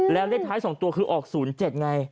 แล้วเลขท้าย๒ตัวคือออก๐๗ไง